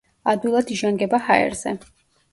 ადვილად იჟანგება ჰაერზე.